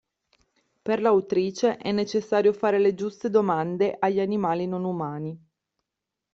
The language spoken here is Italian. Per l’autrice, è necessario “fare le giuste domande” agli animali non-umani.